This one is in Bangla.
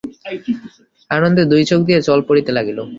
আনন্দে দুই চোখ দিয়া জল পড়িতে লাগিল।